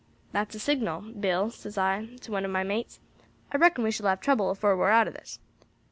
'That's a signal,' Bill, says I to one of my mates; 'I reckon we shall have trouble afore we are out of this.'